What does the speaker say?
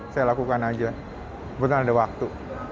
saya lakukan aja kebetulan ada waktu